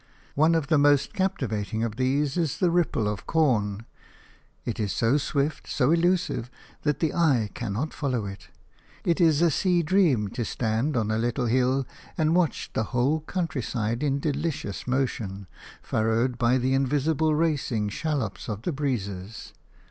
One of the most captivating of these is the ripple of corn. It is so swift, so elusive, that the eye cannot follow it; it is a sea dream to stand on a little hill and watch the whole countryside in delicious motion, furrowed by the invisible racing shallops of the breezes.